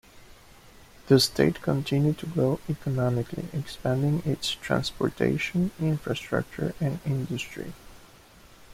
The state continued to grow economically, expanding its transportation infrastructure and industry.